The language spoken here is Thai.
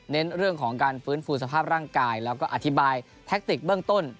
เรื่องของการฟื้นฟูสภาพร่างกายแล้วก็อธิบายแท็กติกเบื้องต้น